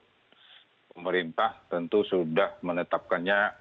pemerintah tentu sudah menetapkannya